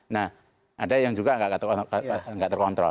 nah ada yang juga tidak terkontrol